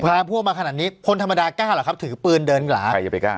พาพวกมาขนาดนี้คนธรรมดากล้าเหรอครับถือปืนเดินหลาใครจะไปกล้า